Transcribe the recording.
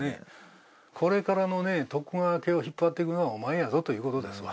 これからのね徳川家を引っ張っていくのはお前やぞということですわ